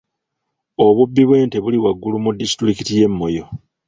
Obubbi bw'ente buli waggulu mu disitulikiti y'e Moyo.